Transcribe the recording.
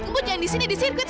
dia itu adalah adik tiri aku